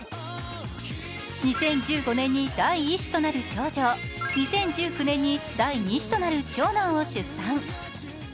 ２０１５年に第１子となる長女を２０１９年に第２子となる長男を出産。